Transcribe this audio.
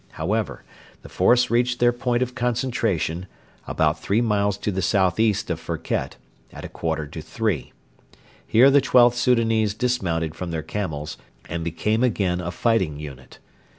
However, the force reached their point of concentration about three miles to the south east of Firket at a quarter to three. Here the XIIth Soudanese dismounted from their camels and became again a fighting unit.